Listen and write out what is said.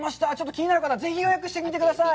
気になる方、ぜひ予約してみてください。